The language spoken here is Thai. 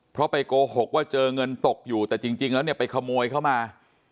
เพราะไปโกหกว่าเจอเงินตกอยู่แต่จริงแล้วเนี่ยไปขโมยเข้ามา